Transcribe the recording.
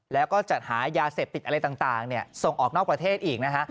แล้วก็จัดหายาเสพติดอะไรต่างส่งออกนอกประเทศอีกนะฮะ